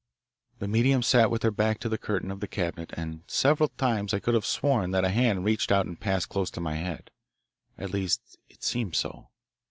The medium sat with her back to the curtain of the cabinet, and several times I could have sworn that a hand reached out and passed close to my head. At least it seemed so.